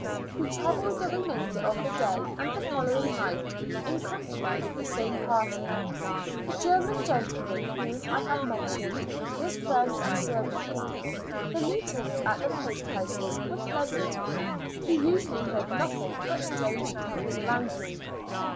We travelled the remainder of the day and the following night in company with the same party, the German gentleman whom I have mentioned, his friend, and servant. The meetings at the post houses were pleasant to me, who usually heard nothing but strange tongues around me.